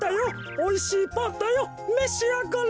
おいしいパンだよめしあがれ！